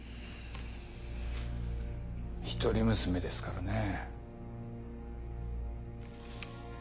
一人娘ですからね。